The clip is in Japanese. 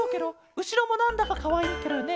うしろもなんだかかわいいケロよね。